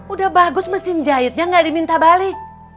udah bagus mesin jahitnya gak diminta balik